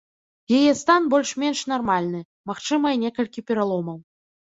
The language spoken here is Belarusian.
Яе стан больш-менш нармальны, магчымыя некалькі пераломаў.